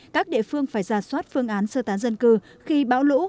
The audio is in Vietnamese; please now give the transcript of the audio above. các địa phương phải ra soát phương án sơ tán dân cư khi bão lũ